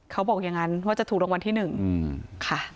เขาบอกอย่างนั้นว่าจะถูกรางวัลที่๑ค่ะ